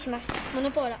モノポーラ。